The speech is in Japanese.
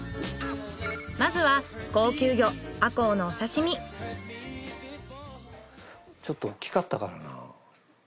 まずは高級魚ちょっと大きかったからな。